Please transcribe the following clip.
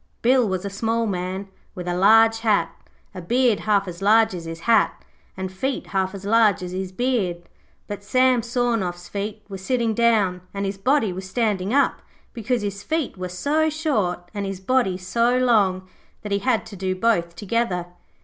Bill was a small man with a large hat, a beard half as large as his hat, and feet half as large as his beard. Sam Sawnoff's feet were sitting down and his body was standing up, because his feet were so short and his body so long that he had to do both together.